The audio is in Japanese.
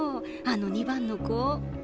あの２番の子。